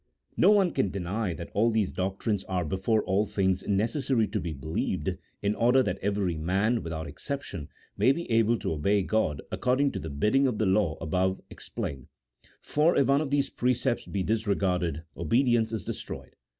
No one can deny that all these doctrines are before all things necessary to be believed, in order that every man, without exception, may be able to obey God according to the bidding of the Law above explained, for if one of these precepts be disregarded obedience is destroyed.